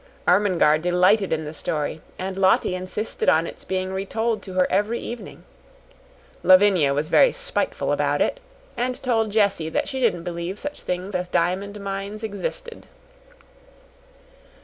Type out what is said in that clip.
Ermengarde delighted in the story, and Lottie insisted on its being retold to her every evening. Lavinia was very spiteful about it, and told Jessie that she didn't believe such things as diamond mines existed.